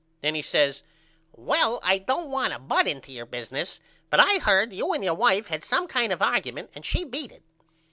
Then he says Well I don't want to butt into your business but I heard you and your wife had some kind of argument and she beat it.